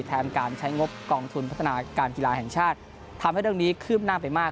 แทนการใช้งบกองทุนพัฒนาการกีฬาแห่งชาติทำให้เรื่องนี้คืบหน้าไปมาก